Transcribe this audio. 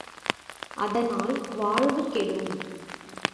அதனால், வாழ்வு கெடும்!